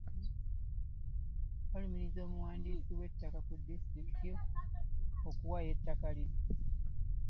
Balumiriza omuwandiisi w’akakiiko k’ettaka ku disitulikiti okuwaayo ettaka lino.